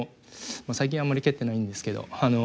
まあ最近あまり蹴ってないんですけど。